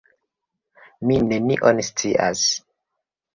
Mi nenion scias.